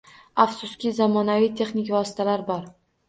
Afsuski, zamonaviy texnik vositalar bor.